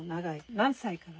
何歳から？